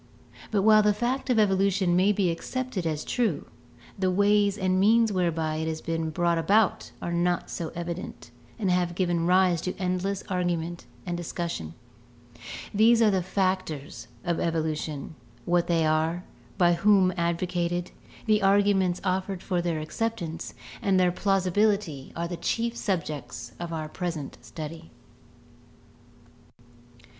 But while the fact of evolution may be accepted as true, the ways and means whereby it has been brought about are not so evident and have given rise to endless argument and discussion. These are the factors of evolution; what they are, by whom advocated, the arguments offered for their acceptance, and their plausibility are the chief subjects of our present study.